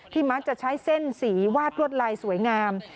มักจะใช้เส้นสีวาดลวดลายสวยงาม